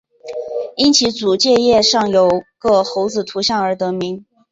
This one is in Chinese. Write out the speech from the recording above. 因其主界面上有个猴子图样而得名。